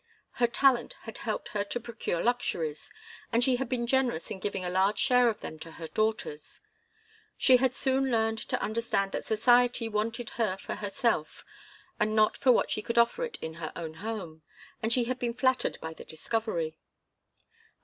Her talent had helped her to procure luxuries, and she had been generous in giving a large share of them to her daughters. She had soon learned to understand that society wanted her for herself, and not for what she could offer it in her own home, and she had been flattered by the discovery.